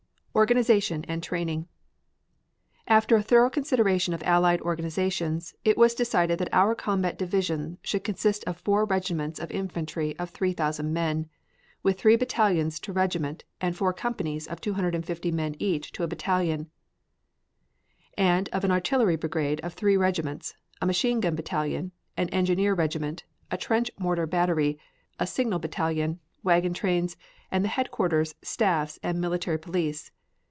ORGANIZATION AND TRAINING After a thorough consideration of allied organizations it was decided that our combat division should consist of four regiments of infantry of 3,000 men, with three battalions to regiment and four companies of 250 men each to a battalion, and of an artillery brigade of three regiments, a machine gun battalion, an engineer regiment, a trench mortar battery, a signal battalion, wagon trains, and the headquarters staffs and military police.